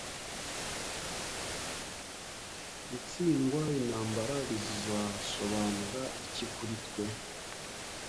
Gutsindwa intambara bizasobanura iki kuri twe?